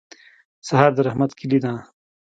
سهار د رحمت کلي ده.